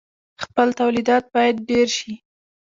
خپل تولیدات باید ډیر شي.